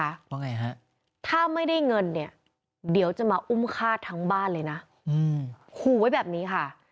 ว่าไงฮะถ้าไม่ได้เงินเนี่ยเดี๋ยวจะมาอุ้มฆ่าทั้งบ้านเลยนะขู่ไว้แบบนี้ค่ะ